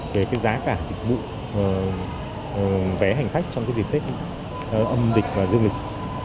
về giá cả dịch vụ vé hành khách trong dịp tết âm lịch và dương lịch